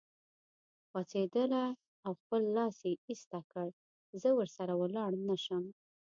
پاڅېدله او خپل لاس یې ایسته کړ چې زه ورسره ولاړ نه شم.